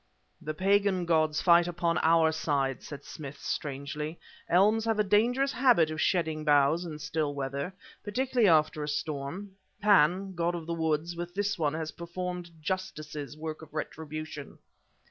"The pagan gods fight upon our side," said Smith strangely. "Elms have a dangerous habit of shedding boughs in still weather particularly after a storm. Pan, god of the woods, with this one has performed Justice's work of retribution."